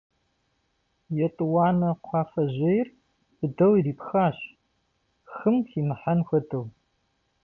ЕтӀуанэ кхъуафэжьейр быдэу ирипхащ, хым химыхьэн хуэдэу.